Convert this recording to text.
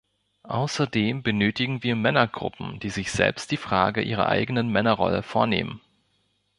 Außerdem benötigen wir Männergruppen, die sich selbst die Frage ihrer eigenen Männerrolle vornehmen.